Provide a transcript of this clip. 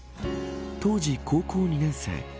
当時高校２年生